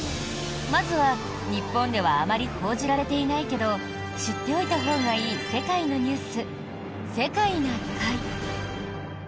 まずは、日本ではあまり報じられていないけど知っておいたほうがいい世界のニュース、「世界な会」。